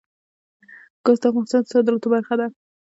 ګاز د افغانستان د صادراتو برخه ده.